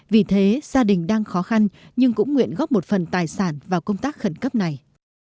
vì thế gia đình đang khó khăn nhưng cũng nguyện góp một phần tài sản vào công tác khẩn cấp này